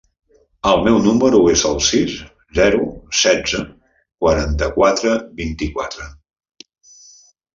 El meu número es el sis, zero, setze, quaranta-quatre, vint-i-quatre.